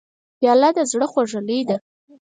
پیاله د زړه خوږلۍ ده.